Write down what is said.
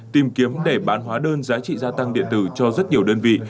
tìm kiếm để bán hóa đơn giá trị gia tăng điện tử cho rất nhiều đơn vị